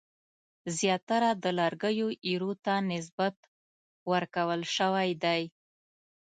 زیاتره د لرګیو ایرو ته نسبت ورکول شوی دی.